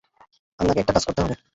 আপনাকে একটা কাজ করতে হবে।